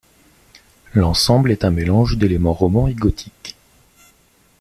L'ensemble est un mélange d'éléments romans et gothiques.